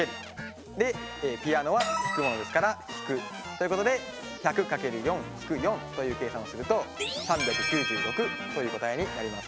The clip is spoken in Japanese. でピアノは弾くものですから−。ということで１００×４−４という計算をすると３９６という答えになります。